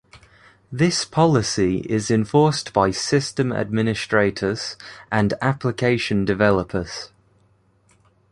This policy is enforced by system administrators and application developers.